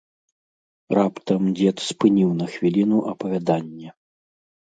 Раптам дзед спыніў на хвіліну апавяданне.